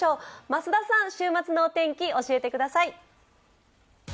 増田さん、週末のお天気、教えてください。